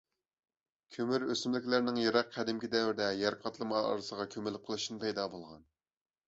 كۆمۈر ئۆسۈملۈكلەرنىڭ يىراق قەدىمكى دەۋردە يەر قاتلىمى ئارىسىغا كۆمۈلۈپ قېلىشىدىن پەيدا بولغان.